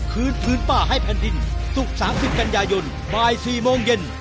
คืนพื้นป่าให้แผ่นดินศุกร์๓๐กันยายนบ่าย๔โมงเย็น